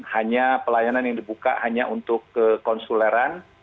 hanya pelayanan yang dibuka hanya untuk kekonsuleran